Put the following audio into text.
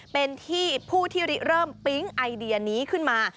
เป็นที่ผู้ที่เริ่มปิ๊งไอเดียนี้ขึ้นมา